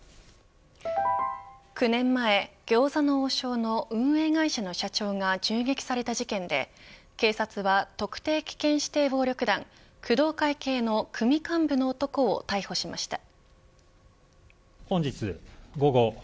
９年前、餃子の王将の運営会社の社長が銃撃された事件で警察は特定危険指定暴力団工藤会系の組幹部の男を逮捕しました。